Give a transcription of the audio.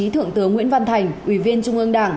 thứ trưởng nguyễn văn thành ủy viên trung ương đảng